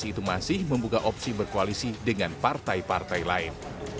dan versi itu masih membuka opsi berkoalisi dengan partai partai lain